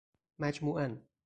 مجموعاً